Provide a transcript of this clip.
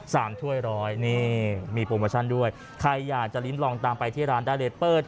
ถ้วยร้อยนี่มีโปรโมชั่นด้วยใครอยากจะลิ้นลองตามไปที่ร้านได้เลเปอร์